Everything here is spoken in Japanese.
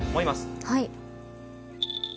はい。